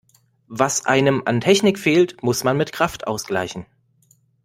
Was einem an Technik fehlt, muss man mit Kraft ausgleichen.